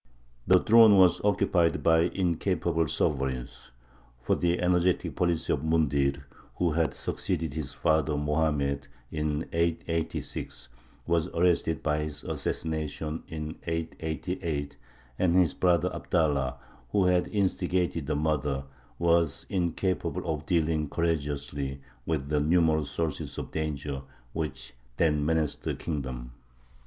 The throne was occupied by incapable sovereigns; for the energetic policy of Mundhir, who had succeeded his father Mohammed in 886, was arrested by his assassination in 888, and his brother Abdallah, who had instigated the murder, was incapable of dealing courageously with the numerous sources of danger which then menaced the kingdom.